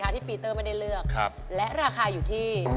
ที่ปีเตอร์ไม่ได้เลือกและราคาอยู่ที่